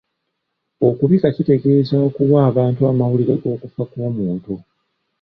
Okubika kitegeeza okuwa abantu amawulire g’okufa kw’omuntu.